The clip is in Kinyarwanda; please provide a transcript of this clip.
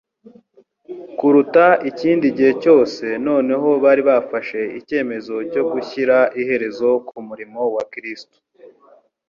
Kuruta ikindi gihe cyose noneho bari bafashe icyemezo cyo gushyira iherezo ku murimo wa Kristo.